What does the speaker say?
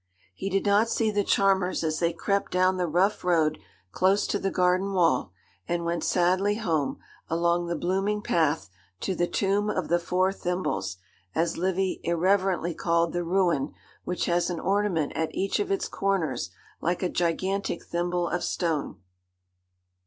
He did not see the charmers as they crept down the rough road close to the garden wall, and went sadly home, along the blooming path, to the 'Tomb of the Four Thimbles,' as Livy irreverently called the ruin which has an ornament at each of its corners like a gigantic thimble of stone.